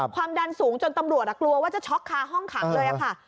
ความดันสูงจนตำรวจกลัวว่าจะช็อกคาห้องขังเลยค่ะ